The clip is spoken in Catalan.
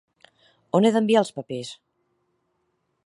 On he d'enviar els papers?